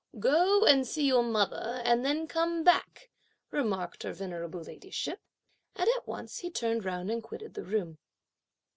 "Go and see your mother and then come back," remarked her venerable ladyship; and at once he turned round and quitted the room.